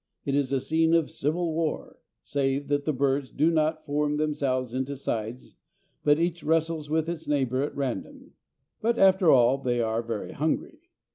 It is a scene of civil war, save that the birds do not form themselves into sides but each wrestles with its neighbour at random. But, after all, they are very hungry.